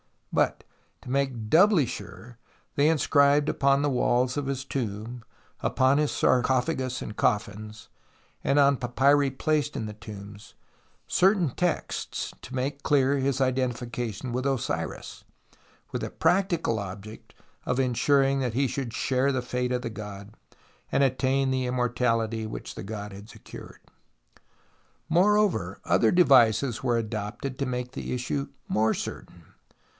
But, to make doubly sure, they inscribed upon the walls of his tomb, Fig. 9. — Drawing from Book of the Dead to illustrate the Germinating Osiris^ from Rosellini. upon his sarcophagus and coffins, and on papyri placed in the tombs, certain texts to make clear his identification with Osiris, with the practical object of ensuring that he should share the fate of the god and attain the immortality which the god had secured. Moreover, other devices were adopted to make the issue more certain.